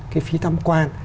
cái phí tham quan